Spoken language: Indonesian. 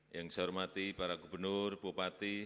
yang saya hormati para gubernur bupati